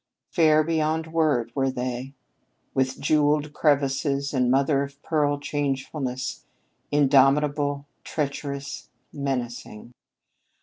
Fair beyond word were they, with jeweled crevasses and mother of pearl changefulness, indomitable, treacherous, menacing.